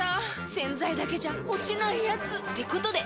⁉洗剤だけじゃ落ちないヤツってことで。